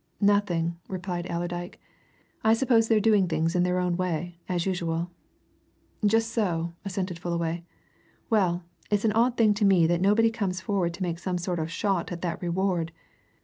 "Nothing," replied Allerdyke. "I suppose they're doing things in their own way, as usual." "Just so," assented Fullaway. "Well, it's an odd thing to me that nobody comes forward to make some sort of a shot at that reward!